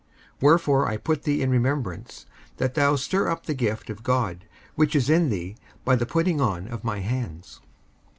55:001:006 Wherefore I put thee in remembrance that thou stir up the gift of God, which is in thee by the putting on of my hands.